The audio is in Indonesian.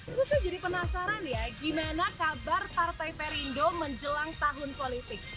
saya jadi penasaran ya gimana kabar partai perindo menjelang tahun politik